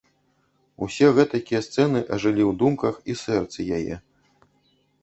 Усе гэтакія сцэны ажылі ў думках і сэрцы яе.